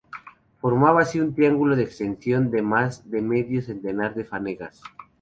Formaba así un triángulo de una extensión de más de medio centenar de fanegas.